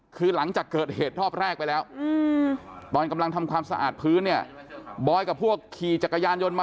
เมื่อกี้เห็นบอยเข้ามาคนเดียวใช่ไหม